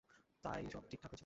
তাই সব ঠিকঠাক হয়েছিল।